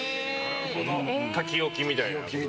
書き置きみたいな？